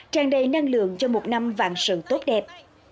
tràn đầy năng lượng cho một năm vạn sự tốt đẹp